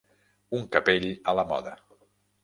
Un capell a la moda.